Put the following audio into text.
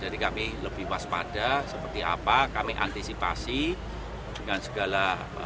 jadi kami lebih waspada seperti apa kami antisipasi dengan segala